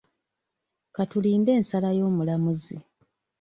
Ka tulinde ensala y'omulamuzi.